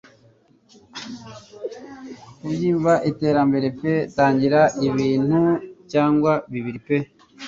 Kubyimba iterambere pe tangira ibintu cyangwa bibiri pe